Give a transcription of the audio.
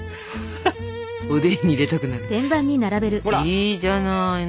いいじゃないの。